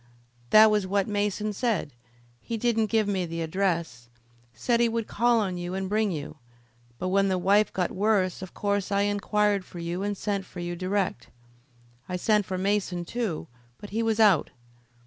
"That was what Mason said. He didn't give me the address. Said he would call on you and bring you, but when the wife got worse of course I inquired for you and sent for you direct. I sent for Mason, too, but he was out.